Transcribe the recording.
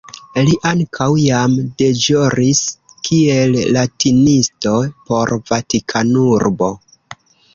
Li ankaŭ jam deĵoris kiel latinisto por Vatikanurbo.